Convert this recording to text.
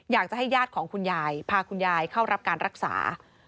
อยากจะให้ญาติของคุณยายพาคุณยายเข้ารับการรักษา